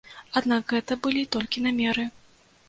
Аднак гэта былі толькі намеры.